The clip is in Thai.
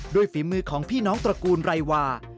ฝีมือของพี่น้องตระกูลไรวา